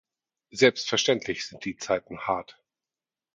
Selbstverständlich sind die Zeiten hart.